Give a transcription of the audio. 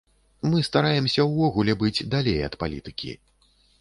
Мы стараемся ўвогуле быць далей ад палітыкі.